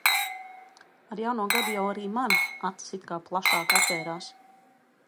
Ar jauno gadu jau arī man acis it kā plašāk atvērās.